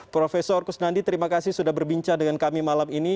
profesor kusnandi terima kasih sudah berbincang dengan kami malam ini